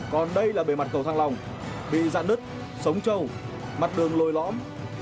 còn đây là bề mặt cầu thăng long bị dạn nứt sống trâu mặt đường lôi lõm